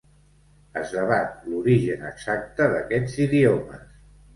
Es debat l'origen exacte d'aquests idiomes.